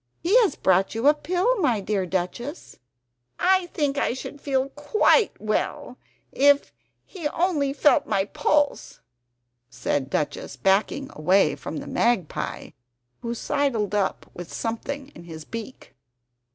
He has brought you a pill, my dear Duchess!" "I think I should feel QUITE well if he only felt my pulse," said Duchess, backing away from the magpie, who sidled up with something in his beak.